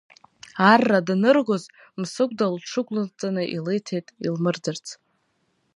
Арра даныргоз, Мсыгәда лгәылҽанҵаны илиҭеит илмырӡырц.